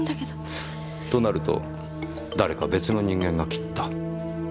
となると誰か別の人間が切った。